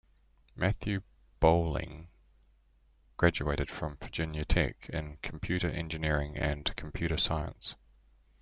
Matthew Bolling graduated from Virginia Tech in Computer Engineering and Computer Science.